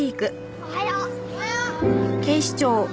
おはよう！